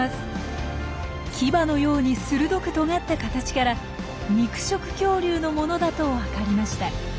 牙のように鋭くとがった形から肉食恐竜のものだと分かりました。